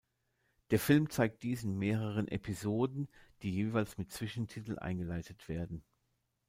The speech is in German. Der Film zeigt dies in mehreren Episoden, die jeweils mit Zwischentiteln eingeleitet werden.